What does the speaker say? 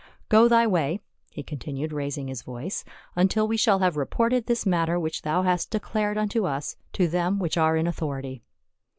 Go thy way," he continued, raising his voice, " until we shall have reported this matter which thou hast declared unto us to them which are in au thority."